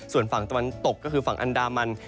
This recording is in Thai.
ส่วนฝั่งตะวันตกก็คือฝั่งอันดามัน